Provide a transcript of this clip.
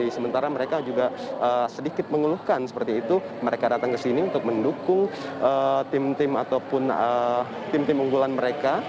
sementara mereka juga sedikit mengeluhkan seperti itu mereka datang ke sini untuk mendukung tim tim ataupun tim tim unggulan mereka